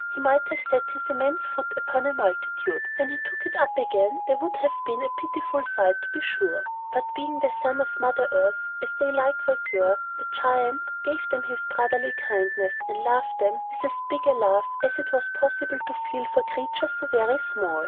He might have set his immense foot upon a multitude; and when he took it up again, there would have been a pitiful sight, to be sure. But, being the son of Mother Earth, as they likewise were, the Giant gave them his brotherly kindness, and loved them with as big a love as it was possible to feel for creatures so very small.